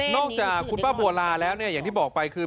จากคุณป้าบัวลาแล้วเนี่ยอย่างที่บอกไปคือ